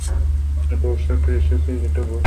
আমি তোর সাথে এসেছি এটা বলব?